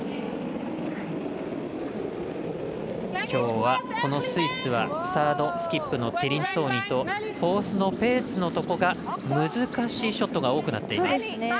きょうはスイスはサード、スキップのティリンツォーニとフォースのペーツのところが難しいショットが多くなっています。